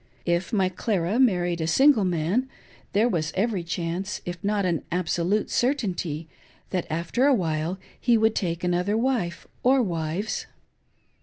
If my Clara married a single man, there was every chance, if not an absolute certainty, that after a while he would take another wife, or wives.